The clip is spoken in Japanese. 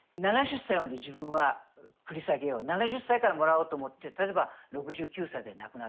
７０歳まで自分は繰り下げよう７０歳からもらおうと思って例えば６９歳で亡くなったとするでしょう。